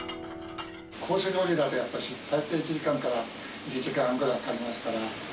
コース料理だと、やっぱし最低１時間から２時間くらいかかりますから。